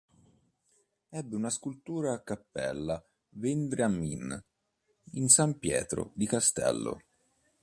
Ebbe una scultura a Cappella Vendramin in San Pietro di Castello.